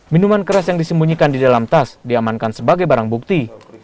minuman keras yang disembunyikan di dalam tas diamankan sebagai barang bukti